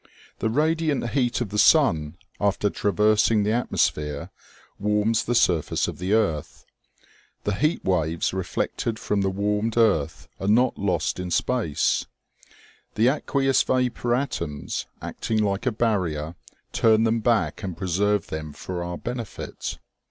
The radiant heat of the sun, after traversing the atmos phere, warms the surface of the earth. The heat waves reflected from the warmed earth are not lost in space. The aqueous vapor atoms, acting like a barrier, turn them back and preserve them for our benefit.